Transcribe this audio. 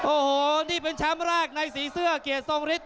โอ้โหนี่เป็นแชมป์แรกในสีเสื้อเกียรติทรงฤทธ